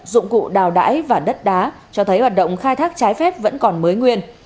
dụng cụ đào đái và đất đá cho thấy hoạt động khai thác trái phép vẫn còn mới nguyên